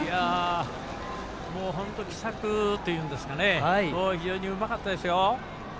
本当、奇策といいますか非常にうまかったですよ。